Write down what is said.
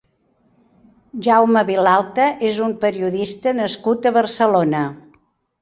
Jaume Vilalta és un periodista nascut a Barcelona.